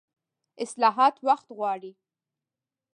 اصلاحات وخت غواړي